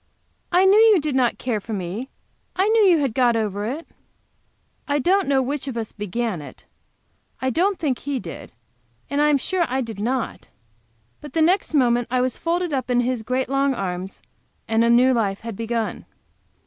"I knew you did not care for me I! knew you had got over it!" I don't know which of us began it, I don't think he did, and I am sure I did not, but the next moment I was folded all up in his great long arms, and a new life had begun!